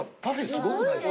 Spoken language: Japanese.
すごくないですか？